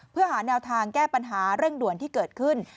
เพื่อหาแนวทางแก้ปัญหาเร่งด่วนที่เกิดขึ้น